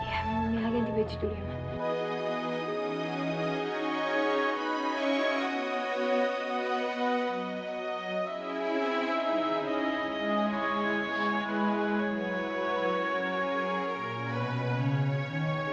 ya mila ganti baju dulu ya mak